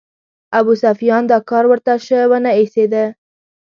ابوسفیان دا کار ورته شه ونه ایسېده.